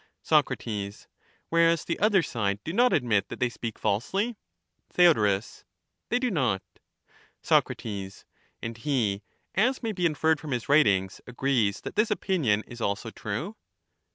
Soc, Whereas the other side do not admit that they speak falsely ? Theod. They do not Soc. And he, as may be inferred from his writings, agrees that this opinion is also true.